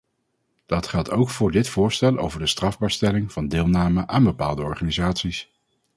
Dat geldt ook voor dit voorstel over de strafbaarstelling van deelname aan bepaalde organisaties.